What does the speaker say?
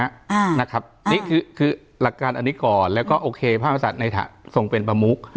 อ่านะครับอ่านี่คือคือหลักการอันนี้ก่อนแล้วก็โอเคพระมหาศาลในถักส่งเป็นประมุก